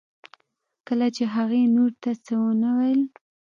کله چې هغې نور څه ونه ویل